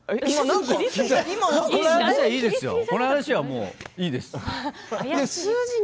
この話は、もういいです。